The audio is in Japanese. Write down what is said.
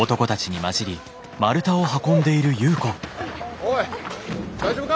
おい大丈夫か？